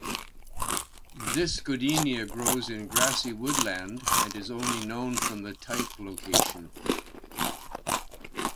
This goodenia grows in grassy woodland and is only known from the type location.